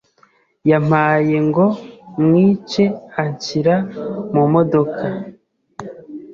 yampaye ngo mwice anshyira mu modoka